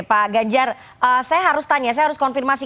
pak ganjar saya harus tanya saya harus konfirmasi